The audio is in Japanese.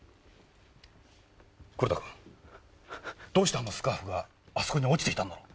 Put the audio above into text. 黒田君どうしてあのスカーフがあそこに落ちていたんだろう？